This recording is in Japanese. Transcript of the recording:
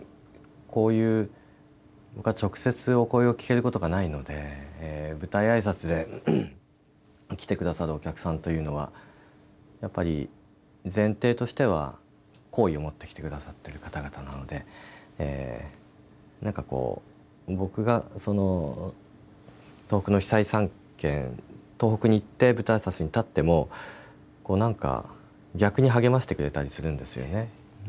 こういう、僕は直接お声を聞けることがないので舞台挨拶で来てくださるお客さんというのはやっぱり前提としては好意を持って来てくださってる方々なのでなんかこう、僕が東北の被災３県東北に行って舞台挨拶に立ってもなんか、逆に励ましてくれたりするんですよね。